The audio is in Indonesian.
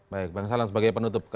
baik bang salang sebagai penutup